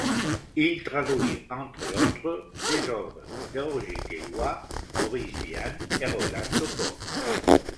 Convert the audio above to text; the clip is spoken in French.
Il traduit, entre autres, des œuvres de Roger Caillois, Boris Vian et Roland Topor.